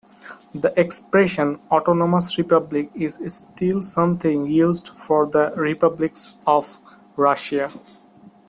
The expression "autonomous republic" is still sometimes used for the republics of Russia.